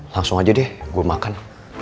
langsung aja deh gue makan